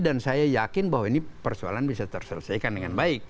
dan saya yakin bahwa ini persoalan bisa terselesaikan dengan baik